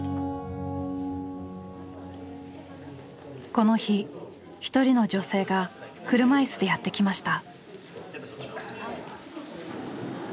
この日一人の女性が車椅子でやって来ました。